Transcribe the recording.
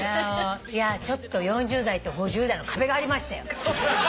いやちょっと４０代と５０代の壁がありましたよ。